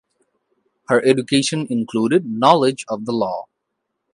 Her education included knowledge of the law.